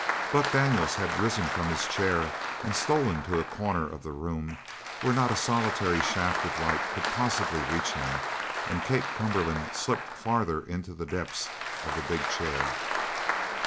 Buck Daniels had risen from his chair and stolen to a corner of the room where not a solitary shaft of light could possibly reach him; and Kate Cumberland slipped farther into the depths of the big chair.